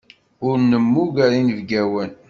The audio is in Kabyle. Ur nemmuger inebgawen.